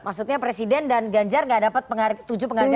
maksudnya presiden dan ganjar gak dapat tujuh penghargaan internasional